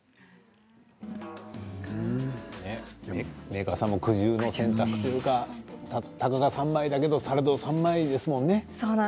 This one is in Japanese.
メーカーさんも苦渋の選択というかたかが３枚だけれどもされど３枚ですものね。